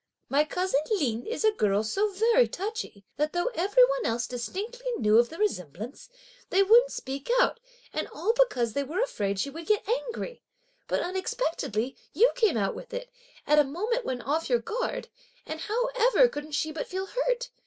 My cousin Lin is a girl so very touchy, that though every one else distinctly knew (of the resemblance), they wouldn't speak out; and all because they were afraid that she would get angry; but unexpectedly out you came with it, at a moment when off your guard; and how ever couldn't she but feel hurt?